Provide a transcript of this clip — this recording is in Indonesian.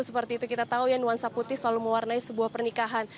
seperti itu kita tahu ya nuansa putih selalu mewarnai sebuah pernikahan